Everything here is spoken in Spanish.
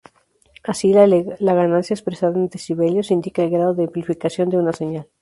Así, la ganancia, expresada en decibelios, indica el grado de amplificación de una señal.